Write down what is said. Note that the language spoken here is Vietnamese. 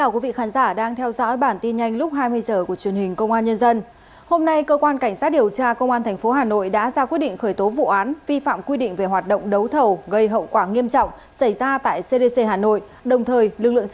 cảm ơn các bạn đã theo dõi